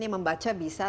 yang membaca bisa